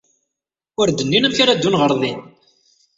Ur d-nnin amek ara ddun ɣer din.